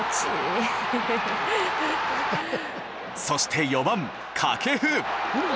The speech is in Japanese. そして４番掛布。